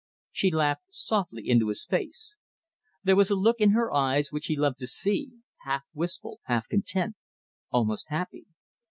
She laughed softly into his face. There was the look in her eyes which he loved to see, half wistful, half content, almost happy.